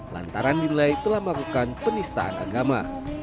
lantaran dinilai telah melakukan penistaan agama